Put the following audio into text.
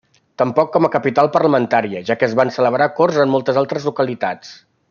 Tampoc com a capital parlamentària, ja que es van celebrar Corts en moltes altres localitats.